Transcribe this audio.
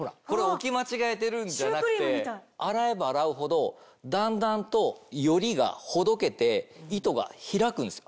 置き間違えてるんじゃなくて洗えば洗うほどだんだんとよりがほどけて糸が開くんですよ。